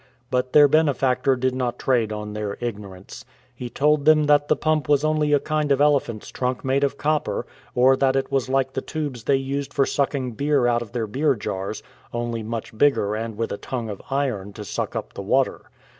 But their benefactor did not trade on their ignorance. He told them that the pump was only a kind of elephant's trunk made of copper, or that it was like the tubes they used for sucking beer out of their beer jars, only much bigger and with a tongue of iron to suck up the water.